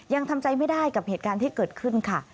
ยังทำใจไม่ได้กับเหตุการณ์ที่เกิดขึ้นค่ะ